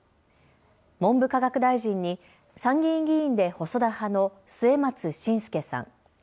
文部科学大臣に参議院議員で細田派の末松信介さん。